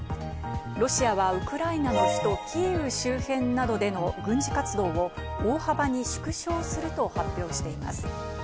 ロシアはウクライナの首都キーウ周辺などでの軍事活動を大幅に縮小すると発表しています。